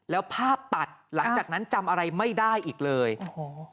แล้วภาพตัดหลังจากนั้นจำอะไรไม่ได้อีกเลยโอ้โห